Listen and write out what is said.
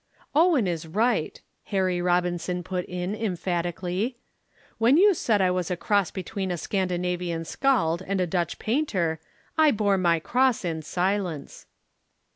"Owen is right," Harry Robinson put in emphatically. "When you said I was a cross between a Scandinavian skald and a Dutch painter, I bore my cross in silence."